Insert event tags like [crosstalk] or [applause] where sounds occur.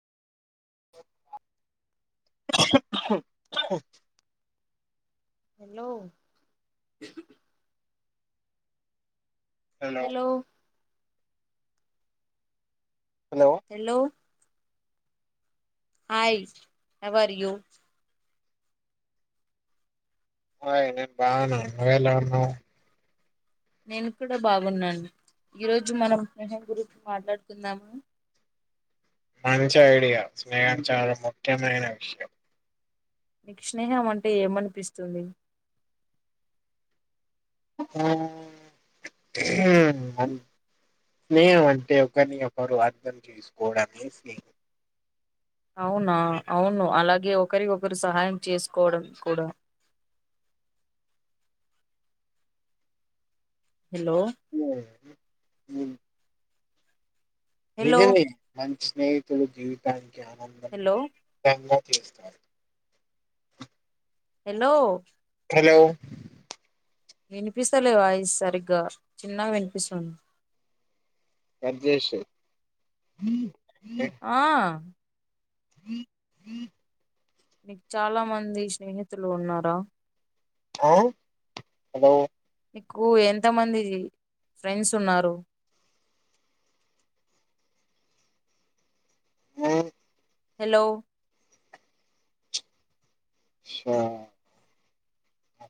Hello hello hello hi how are you hi నేను బాగానే నువ్వు ఎలా ఉన్నావ్ నేను కూడా బాగున్నాను. ఈరోజు మనం స్నేహం గురించి మాట్లాడుకుందామా మంచి ఐడియా, స్నేహం చాలా ముఖ్యమైన విషయం నీకు స్నేహం అంటే ఏమనిపిస్తుంది? ఆ ఉహ్ స్నేహం అంటే ఒకరిని ఒకరు అర్థం చేసుకోవడమే స్నేహం అవునా అవును అలాగే ఒకరికొకరు సహాయం చేసుకోవడం కూడా హలో ఆ హలో నిజమే మంచి స్నేహితులు జీవితానికి ఆనందం హలో ార్ హలో హలో వినిపిస్తలేవాయిస్ సరిగ్గా చిన్నగా వినిపిస్తుంది దయచేసి ఆ హ జ [inaudible] నీకు చాలా మంది స్నేహితులు ఉన్నారా హ హలో మీకు ఎంతమంది ఫ్రెండ్స్ ఉన్నారు ఆ హలో స